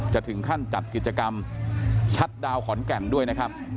จะถึงขั้นจัดกิจกรรมชัดดาวขอนแก่นด้วยนะครับ